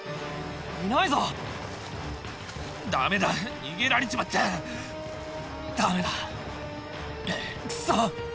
いないぞダメだ逃げられちまったダメだクソッ